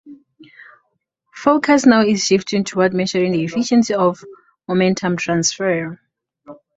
Focus now is shifting toward measuring the efficiency of momentum transfer